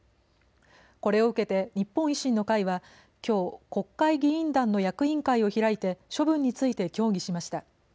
これを受けて日本維新の会はきょう国会議員団の役員会を開いて処分について協議しました。